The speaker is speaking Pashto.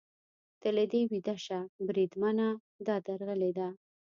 ته له دې ویده شه، بریدمنه، دا درغلي ده.